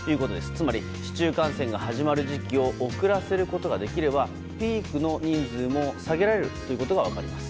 つまり市中感染が始まる時期を遅らせることができればピークの人数も下げられることが分かります。